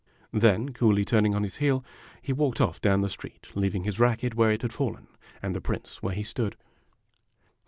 Then, coolly turning on his heel, he walked off down the street, leaving his racket where it had fallen, and the Prince where he stood.